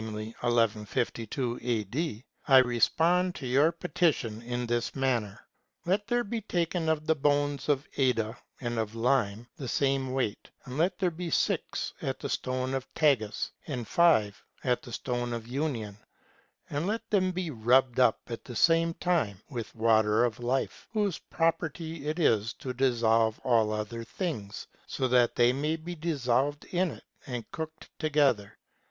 1152 A.D.], I respond to your petition in this manner. ... Let there be taken of the bones of Ada, and of lime, the same weight ; and let there be six at the stone of Tagus, and five at the stone of union ; and let them be rubbed up at the same time with water of life, whose property it is to dissolve all other things, so that they may be dissolved in it and cooked together.